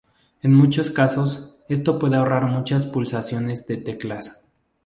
En muchos casos, esto puede ahorrar muchas pulsaciones de teclas.